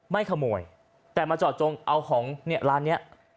ไม่ขโมยแต่มาจอดจงเอาของเนี่ยร้านนี้